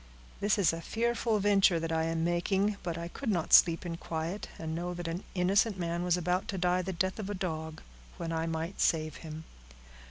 This is a fearful venture that I am making; but I could not sleep in quiet, and know that an innocent man was about to die the death of a dog, when I might save him."